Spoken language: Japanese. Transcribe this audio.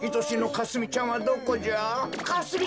かすみちゃん！